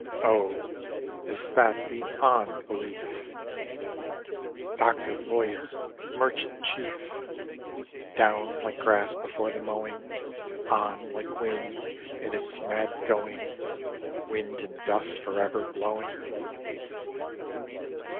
Oh, is that beyond belief, Doctor, Lawyer Merchant Chief? (_Down, like grass before the mowing; On, like wind in its mad going: Wind and dust forever blowing.